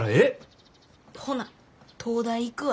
ほな東大行くわ。